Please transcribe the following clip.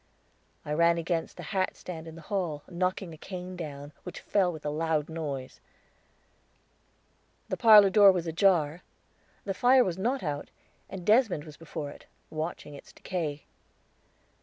I ran against the hatstand in the hall, knocking a cane down, which fell with a loud noise. The parlor door was ajar; the fire was not out, and Desmond was before it, watching its decay.